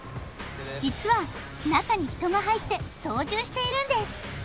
実は中に人が入って操縦しているんです